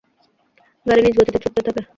গাড়ি নিজ গতিতে ছুটতে থাকে।